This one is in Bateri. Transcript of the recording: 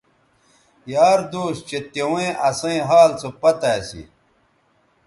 یار دوس چہء تیویں اسئیں حال سو پتہ اسی